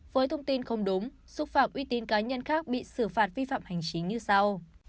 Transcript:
với thông tin không đúng xúc phạm uy tín cá nhân khác bị xử phạt vi phạm hành chính như sau